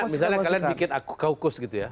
misalnya kalian bikin kaukus gitu ya